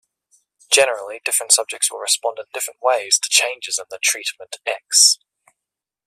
Generally, different subjects will respond in different ways to changes in the "treatment" "x".